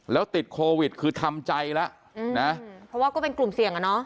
แล้วติดโควิดคือทำใจแล้วนะเพราะว่าก็เป็นกลุ่มเสี่ยงอ่ะเนอะ